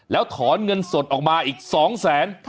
แล้วถอนเงินสดออกมาอีก๒แสน